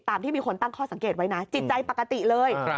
ที่มีคนตั้งข้อสังเกตไว้นะจิตใจปกติเลย